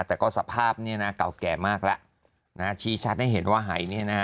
แต่ก็สภาพเนี่ยนะเก่าแก่มากแล้วนะชี้ชัดให้เห็นว่าหายเนี่ยนะฮะ